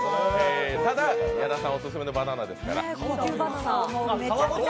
ただ、矢田さんオススメのバナナですから。